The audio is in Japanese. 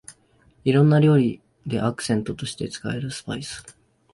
いろんな料理でアクセントとして使えるスパイス